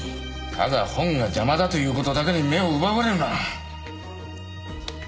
ただ本が邪魔だという事だけに目を奪われるな。